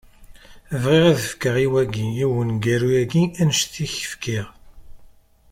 Bɣiɣ ad fkeɣ i wagi, i uneggaru-agi, annect i k-fkiɣ.